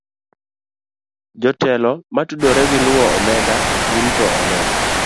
Jotelo motudore gi luwo omenda gi rito omenda